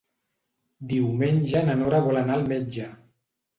Diumenge na Nora vol anar al metge.